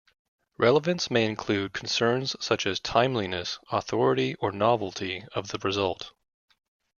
Relevance may include concerns such as timeliness, authority or novelty of the result.